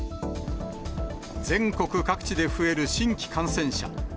全国各地で増える新規感染者。